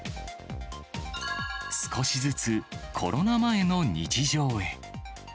少しずつ、コロナ前の日常へ。